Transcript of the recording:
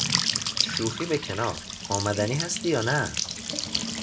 شوخی به کنار، آمدنی هستی یا نه؟